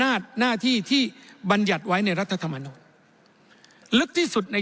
หน้าที่ที่บรรยัติไว้ในรัฐธรรมนูลลึกที่สุดใน